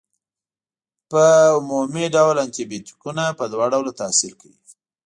په عمومي ډول انټي بیوټیکونه په دوه ډوله تاثیر کوي.